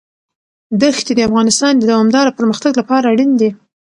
دښتې د افغانستان د دوامداره پرمختګ لپاره اړین دي.